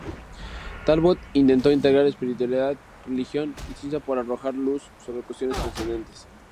Talbot intentó integrar espiritualidad, religión y ciencia para arrojar luz sobre cuestiones trascendentes.